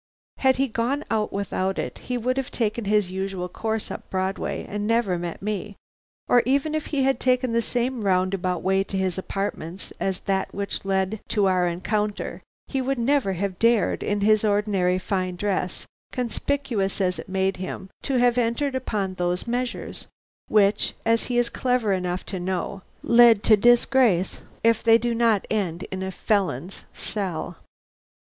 Had he gone out without it, he would have taken his usual course up Broadway and never met me; or even if he had taken the same roundabout way to his apartments as that which led to our encounter, he would never have dared, in his ordinary fine dress, conspicuous as it made him, to have entered upon those measures, which, as he is clever enough to know, lead to disgrace, if they do not end in a felon's cell.